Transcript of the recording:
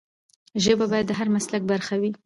ژبه باید د هر مسلک برخه وي.